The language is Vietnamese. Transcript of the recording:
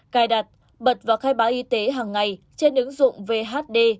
cài đặt bật và khai báo y tế hàng ngày trên ứng dụng vhd